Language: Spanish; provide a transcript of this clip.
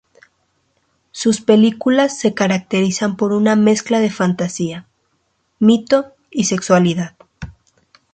Sus películas se caracterizan por una mezcla de fantasía, mito y sexualidad.